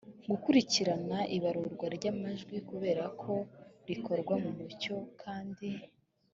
gukurikirana ibarurwa ry amajwi kureba ko rikorwa mu mucyo kandi